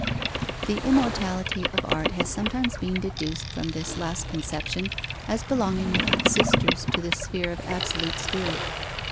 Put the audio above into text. _ The immortality of art has sometimes been deduced from this last conception as belonging with its sisters to the sphere of absolute spirit.